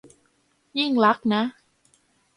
ยิ่งลักษณ์นะ